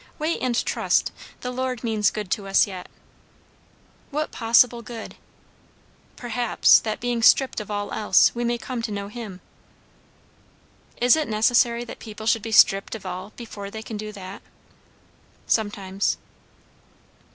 Wait and trust. The Lord means good to us yet." "What possible good?" "Perhaps, that being stripped of all else, we may come to know him." "Is it necessary that people should be stripped of all before they can do that?" "Sometimes."